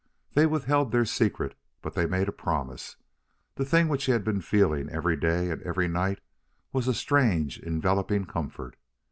They withheld their secret, but they made a promise. The thing which he had been feeling every day and every night was a strange enveloping comfort.